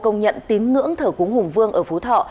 nhận tín ngưỡng thở cúng hùng vương ở phú thọ